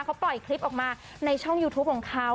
เขาปล่อยคลิปออกมาในช่องยูทูปของเขา